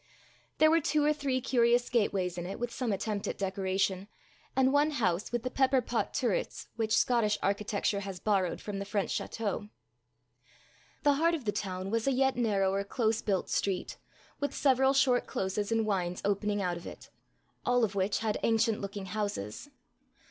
There were two or three curious gateways in it with some attempt at decoration, and one house with the pepperpot turrets which Scotish architecture has borrowed from the French chateau. The heart of the town was a yet narrower, close built street, with several short closes and wynds opening out of it all of which had ancient looking houses.